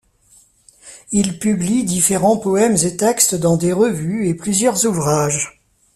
Il publie différents poèmes et textes dans des revues et plusieurs ouvrages.